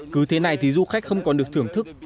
cứ thế này thì du khách không còn được thưởng thức